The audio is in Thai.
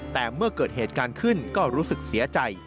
แต่เมื่อเกิดเหตุการณ์ขึ้นก็รู้สึกเสียใจ